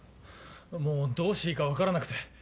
もうどうしていいか分からなくて。